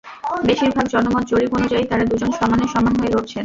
বেশির ভাগ জনমত জরিপ অনুযায়ী, তাঁরা দুজন সমানে সমান হয়ে লড়ছেন।